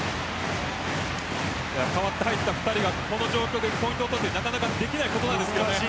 変わって入った２人がこの状況でポイントを取るってなかなかできないことです。